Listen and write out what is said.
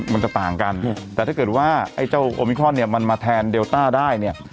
มันจะต่างกันแต่ถ้าเกิดว่าไอ้เจ้าโอมิครอนเนี่ยมันมาแทนเดลต้าได้เนี่ย